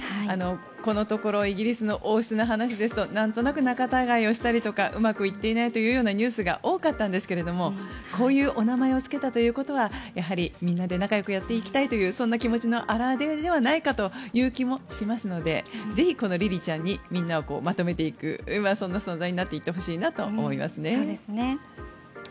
このところイギリスの王室の話ですとなんとなく仲たがいをしたりとかうまくいっていないというニュースが多かったんですがこういうお名前をつけたということはみんなで仲よくやっていきたいという気持ちの表れではないかという気もしますのでぜひ、このリリちゃんにみんなをまとめていくそんな存在になっていってほしいなと思いますね。